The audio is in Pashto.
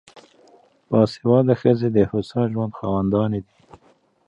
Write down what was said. باسواده ښځې د هوسا ژوند خاوندانې دي.